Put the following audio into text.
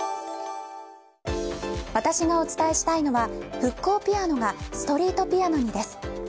私がお伝えしたいのは復興ピアノがストリートピアノにです。